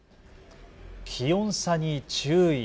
気温差に注意。